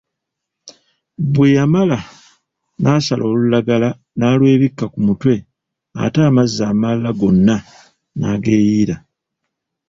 Bwe yamala n'asala olulagala n'alwebikka ku mutwe ate amazzi amalala gonna n'ageeyiira.